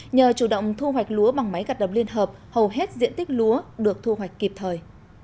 nhờ chủ động thu hoạch lúa bằng máy gặt đập liên hợp hầu hết diện tích lúa được thu hoạch kịp thời